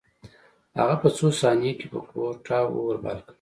هغه په څو ثانیو کې په کوټه اور بل کړ